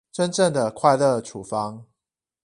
真正的快樂處方